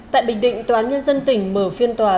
tại bình định tòa án nhân dân tỉnh mở phiên tòa